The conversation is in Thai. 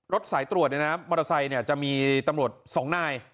สายตรวจมอเตอร์ไซค์จะมีตำรวจ๒นาย